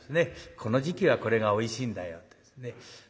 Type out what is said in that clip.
この時期はこれがおいしいんだよというですね。